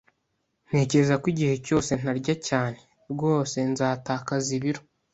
Ntekereza ko igihe cyose ntarya cyane, rwose nzatakaza ibiro